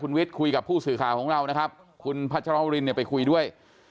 วิทย์คุยกับผู้สื่อข่าวของเรานะครับคุณพัชรวรินเนี่ยไปคุยด้วย